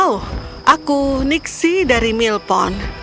oh aku nixie dari mill pond